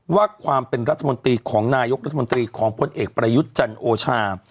ว่าความเป็นรัฐมนตรีของนายกรัฐมนตรีของพลเอกประยุทธ์จันโอชา